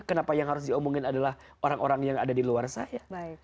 kenapa yang harus diomongin adalah orang orang yang ada di luar saya